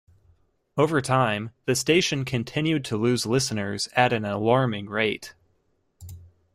Over time the station continued to lose listeners at an alarming rate.